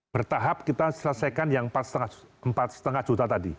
bertahap kita selesaikan yang empat lima juta tadi